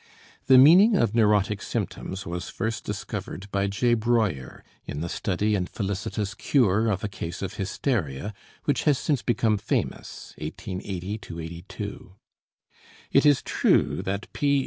The meaning of neurotic symptoms was first discovered by J. Breuer in the study and felicitous cure of a case of hysteria which has since become famous (1880 82). It is true that P.